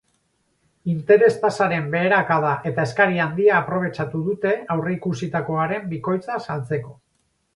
Interes-tasaren beherakada eta eskari handia aprobetxatu dute aurreikusitakoaren bikoitza saltzeko.